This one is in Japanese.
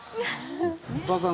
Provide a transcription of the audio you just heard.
お母さん。